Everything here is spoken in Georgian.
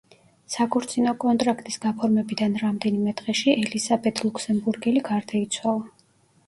საქორწინო კონტრაქტის გაფორმებიდან რამდენიმე დღეში ელიზაბეთ ლუქსემბურგელი გარდაიცვალა.